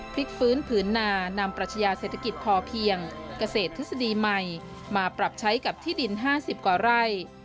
พลิกฟื้นผืนนานำปรัชญาเศรษฐกิจพอเพียงเกษตรทฤษฎีใหม่มาปรับใช้กับที่ดิน๕๐กว่าไร่